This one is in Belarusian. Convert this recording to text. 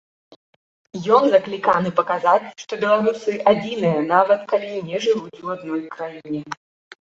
Ён закліканы паказаць, што беларусы адзіныя, нават калі не жывуць у адной краіне.